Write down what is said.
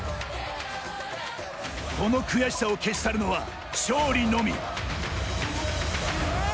この悔しさを消し去るのは勝利のみ。